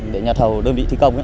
để nhà thầu đơn vị thi công